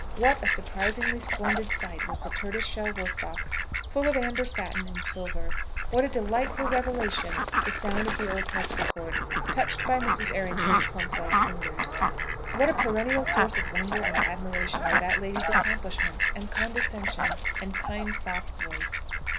What a surprisingly splendid sight was the tortoise shell work box, full of amber satin and silver! What a delightful revelation the sound of the old harpsichord, touched by Mrs. Errington's plump white fingers! What a perennial source of wonder and admiration were that lady's accomplishments, and condescension, and kind soft voice!